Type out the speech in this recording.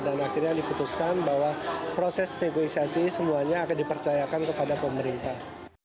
dan akhirnya diputuskan bahwa proses teguisasi semuanya akan dipercayakan kepada pemerintah